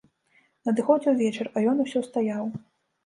Надыходзіў вечар, а ён усё стаяў.